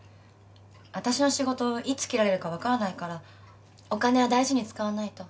私の仕事いつ切られるかわからないからお金は大事に使わないと。